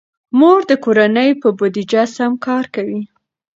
مور د کورنۍ په بودیجه سم کار کوي.